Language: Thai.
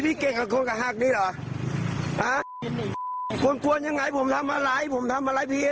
บอกว่าเขาเป็นใครนะบ้าง